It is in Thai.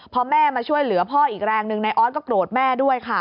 พอแม่มาช่วยเหลือพ่ออีกแรงหนึ่งนายออสก็โกรธแม่ด้วยค่ะ